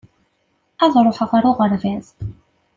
Ad ruḥeɣ ɣer uɣerbaz.